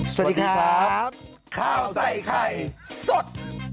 สวัสดีครับข้าวใส่ไข่สด